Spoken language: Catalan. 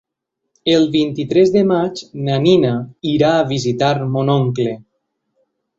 El vint-i-tres de maig na Nina irà a visitar mon oncle.